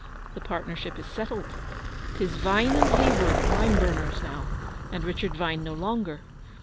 'The partnership is settled. 'Tis "Vine and Hayward, lime burners," now, and "Richard Vine" no longer.